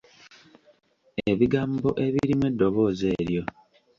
Ebigambo ebirimu eddoboozi eryo.